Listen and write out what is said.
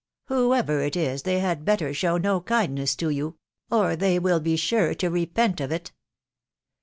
. Whoever it is, they had better show no kindness to you, .... or they will be sure to repent of it."